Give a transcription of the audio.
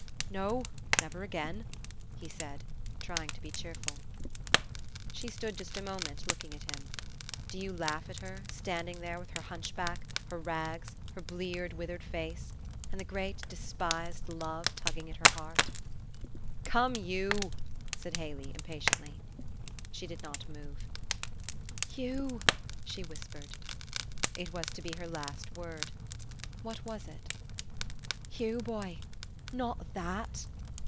"No, never again," he said, trying to be cheerful. She stood just a moment, looking at him. Do you laugh at her, standing there, with her hunchback, her rags, her bleared, withered face, and the great despised love tugging at her heart? "Come, you!" called Haley, impatiently. She did not move. "Hugh!" she whispered. It was to be her last word. What was it? "Hugh, boy, not THAT!"